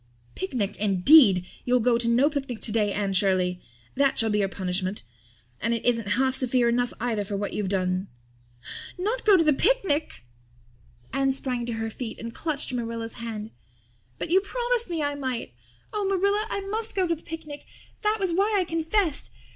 "Picnic, indeed! You'll go to no picnic today, Anne Shirley. That shall be your punishment. And it isn't half severe enough either for what you've done!" "Not go to the picnic!" Anne sprang to her feet and clutched Marilla's hand. "But you promised me I might! Oh, Marilla, I must go to the picnic. That was why I confessed.